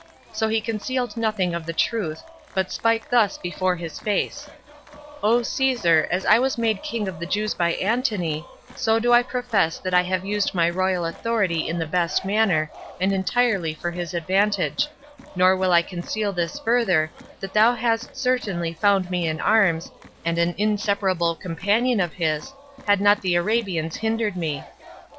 So he concealed nothing of the truth, but spoke thus before his face: "O Caesar, as I was made king of the Jews by Antony, so do I profess that I have used my royal authority in the best manner, and entirely for his advantage; nor will I conceal this further, that thou hadst certainly found me in arms, and an inseparable companion of his, had not the Arabians hindered me.